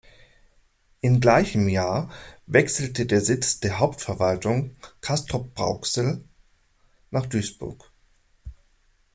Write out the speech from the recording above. Im gleichen Jahr wechselte der Sitz der Hauptverwaltung von Castrop-Rauxel nach Duisburg.